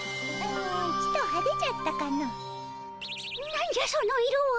何じゃその色は。